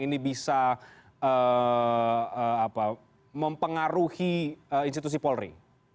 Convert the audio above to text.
ini bisa mempengaruhi institusi polri